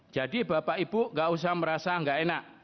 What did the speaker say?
jadi bapak ibu gak usah merasa gak enak